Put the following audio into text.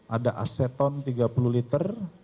ada aseton tiga puluh liter